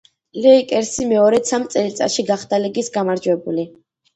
ლეიკერსი მეორედ სამ წელიწადში გახდა ლიგის გამარჯვებული.